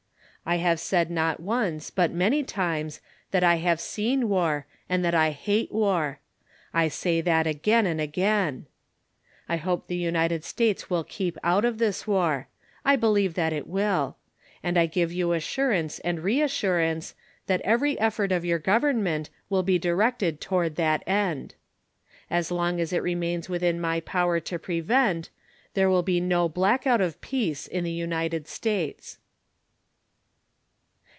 I have said not once but many times that I have seen war and that I hate war. I say that again and again. I hope the United States will keep out of this war. I believe that it will. And I give you assurance and reassurance that every effort of your government will be directed toward that end. As long as it remains within my power to prevent, there will be no blackout of peace in the United States.